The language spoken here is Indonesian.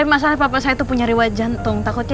gak apa apa ma tapi aku takut